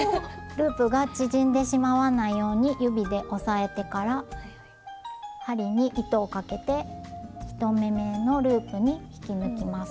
ループが縮んでしまわないように指で押さえてから針に糸をかけて１目めのループに引き抜きます。